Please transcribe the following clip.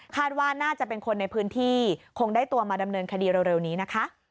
ว่าน่าจะเป็นคนในพื้นที่คงได้ตัวมาดำเนินคดีเร็วนี้นะคะ